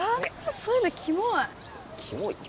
そういうのキモいキモい？